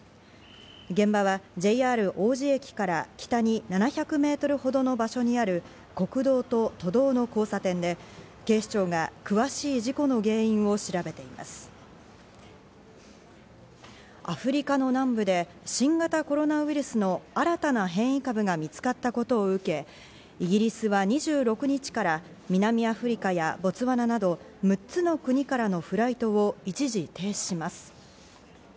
現場はＪＲ王子駅から北に７００ｍほどの場所にある国道と都道の交差点で、警視庁が詳しい事故の原因を調べアフリカの南部で新型コロナウイルスの新たな変異株が見つかったことを受け、イギリスは２６日から南アフリカやボツワナなど６つの国からのフライトを一時停止します。